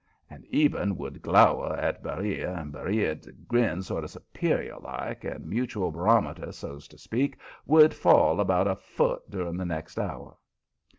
And Eben would glower at Beriah and Beriah'd grin sort of superior like, and the mutual barometer, so's to speak, would fall about a foot during the next hour.